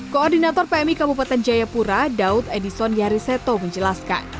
koordinator pmi kabupaten jayapura daud edison yariseto menjelaskan